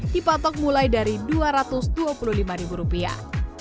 dipatok mulai dari dua ratus dua puluh lima ribu rupiah